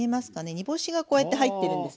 煮干しがこうやって入ってるんですね。